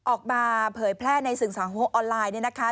ออกมาเผยแพร่ในสิ่งสังหวังออนไลน์